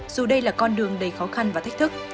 dù đây là con đường đầy khó khăn và thách thức